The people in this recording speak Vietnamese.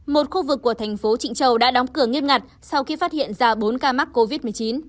một khu vực của thành phố trịnh châu đã đóng cửa nghiêm ngặt sau khi phát hiện ra bốn ca mắc covid một mươi chín